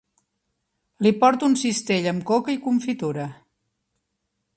Li porto un cistell amb coca i confitura.